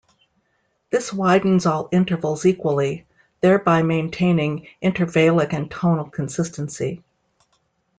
This widens all intervals equally, thereby maintaining intervallic and tonal consistency.